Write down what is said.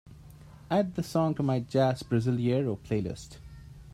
Add the song to my jazz brasileiro playlist.